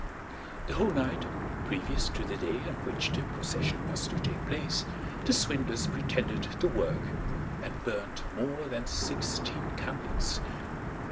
The whole night previous to the day on which the procession was to take place, the swindlers pretended to work, and burned more than sixteen candles.